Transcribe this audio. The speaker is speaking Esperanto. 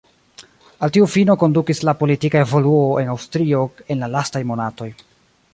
Al tiu fino kondukis la politika evoluo en Aŭstrio en la lastaj monatoj.